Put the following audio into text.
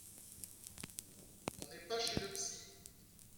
On n’est pas chez le psy